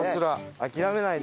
諦めないで！